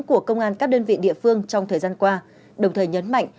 của công an các đơn vị địa phương trong thời gian qua đồng thời nhấn mạnh